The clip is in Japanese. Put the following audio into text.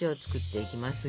いきますよ。